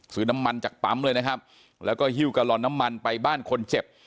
ซื้อน้ำมันจากปั๊มเลยนะครับแล้วก็หิ้วกะลอนน้ำมันไปบ้านคนเจ็บ